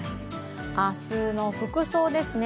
明日の服装ですね。